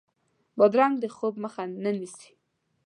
بادرنګ د خوب مخه نه نیسي.